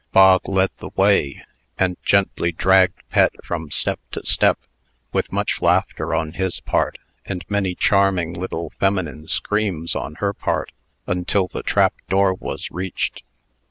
Bog led the way, and gently dragged Pet from step to step, with much laughter on his part, and many charming little feminine screams on her party until the trap door was reached.